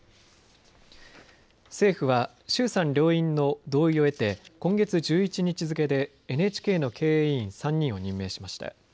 政府は衆参両院の同意を得て今月１１日付けでＮＨＫの経営委員３人を任命しました。